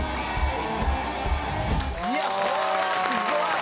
いやこれはすごい！